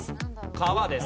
川です。